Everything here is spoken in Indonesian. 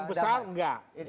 yang besar nggak